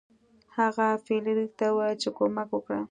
هغه فلیریک ته وویل چې کومک وکړه.